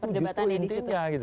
perdebatannya di situ